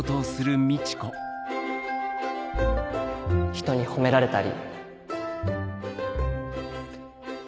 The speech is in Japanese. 人に褒められたり。